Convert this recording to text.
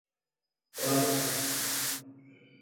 waathirika wanahitaji huduma za kijamii ziwe karibu sana